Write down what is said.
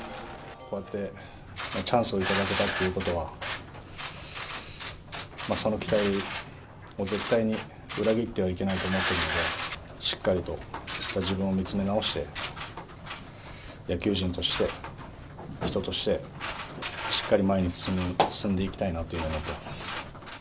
こうやってチャンスを頂けたってことは、その期待を絶対に裏切ってはいけないと思っているので、しっかりと自分を見つめ直して、野球人として、人として、しっかり前に進んでいきたいなというふうに思っています。